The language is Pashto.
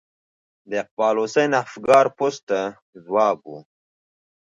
د اقبال حسین افګار پوسټ ته ځواب و.